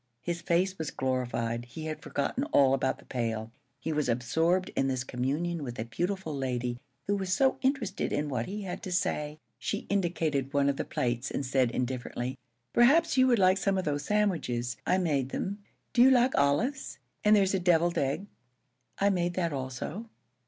His face was glorified; he had forgotten all about the pail; he was absorbed in this communion with a beautiful lady who was so interested in what he had to say. She indicated one of the plates, and said, indifferently: "Perhaps you would like some of those sandwiches. I made them. Do you like olives? And there's a deviled egg. I made that also."